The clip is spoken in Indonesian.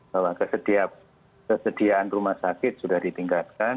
bahwa kesediaan rumah sakit sudah ditingkatkan